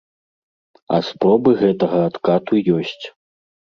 А спробы гэтага адкату ёсць.